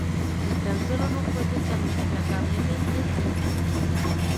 Si tan sólo no fuese tan implacablemente simple".